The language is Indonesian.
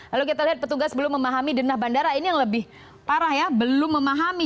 lalu kita lihat petugas belum memahami dendah bandara ini yang lebih parah ya belum memahami